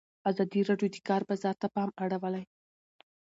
ازادي راډیو د د کار بازار ته پام اړولی.